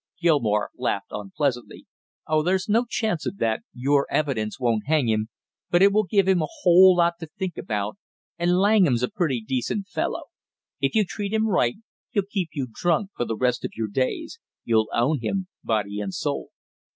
Gilmore laughed unpleasantly. "Oh, there's no chance of that, your evidence won't hang him, but it will give him a whole lot to think about; and Langham's a pretty decent fellow; if you treat him right, he'll keep you drunk for the rest of your days; you'll own him body and soul."